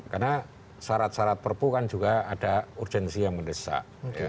karena syarat syarat perpu kan juga ada urgensi yang mendesak